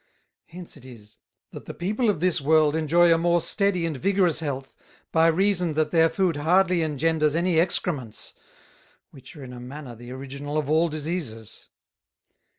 Hence it is, that the People of this World enjoy a more steady and vigorous Health, by reason that their Food hardly engenders any Excrements, which are in a manner the original of all Diseases.